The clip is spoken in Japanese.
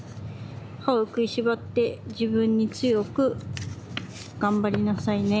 歯をくいしばって自分に強くがんばりなさいね。